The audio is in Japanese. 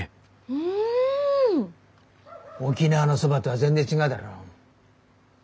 沖縄のそばとは全然違うだろ。